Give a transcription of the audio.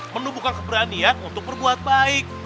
menumbuhkan keberanian untuk berbuat baik